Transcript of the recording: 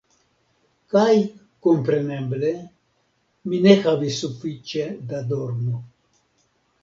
Kaj kompreneble, mi ne havis sufiĉe da dormo.